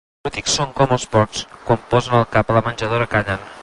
Els polítics són com els porcs: quan posen el cap a la menjadora callen.